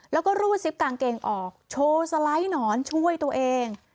แล้วก็รูดซิปกางเกงออกโชว์สไลด์หนอนช่วยตัวเอง